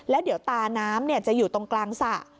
แล้วเดี๋ยวตาน้ำจะอยู่ตรงกลางสระ